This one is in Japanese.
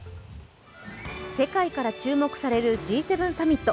世界から注目されるＧ７サミット。